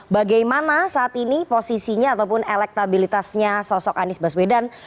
bagaimana saat ini posisinya ataupun elektabilitasnya sosok anies baswedan